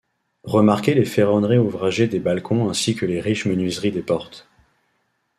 Remarquer les ferronneries ouvragées des balcons ainsi que les riches menuiseries des portes.